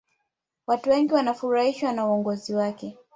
watu wengi wanafurahishwa na uongozi wake